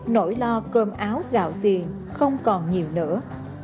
nỗi lo cơm áo gạo tiền không còn nhiều nữa